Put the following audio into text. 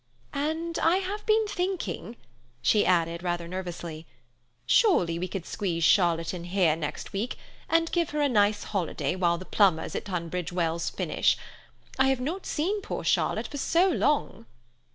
"And I have been thinking," she added rather nervously, "surely we could squeeze Charlotte in here next week, and give her a nice holiday while the plumbers at Tunbridge Wells finish. I have not seen poor Charlotte for so long."